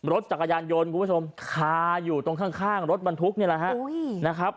รถสักยานยนต์คุณผู้ชมคาอยู่ตรงข้างรถบรรทุกเนี้ยละฮะโอ้ย